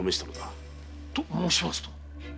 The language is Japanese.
と申しますと？